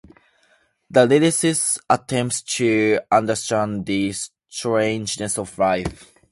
The lyricist attempts to understand the strangeness of life.